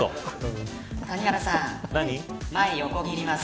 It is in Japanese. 谷原さん、前横切ります。